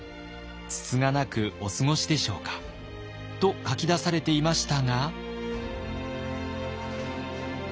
つつがなくお過ごしでしょうか」と書き出されていましたが。